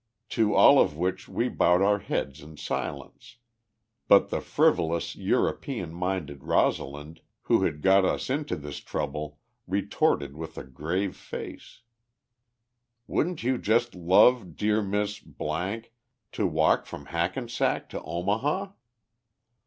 To all of which we bowed our heads in silence but the frivolous, European minded Rosalind who had got us into this trouble retorted with a grave face: "Wouldn't you just love, dear Miss , to walk from Hackensack to Omaha?"